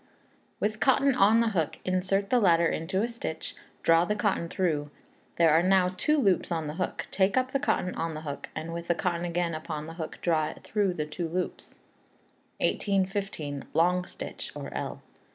With cotton on the hook insert the latter into a stitch, draw the cotton through; there are now two loops on the hook, take up the cotton on the hook, and with cotton again upon the hook draw it through the two loops. 1815. Long Stitch, or L.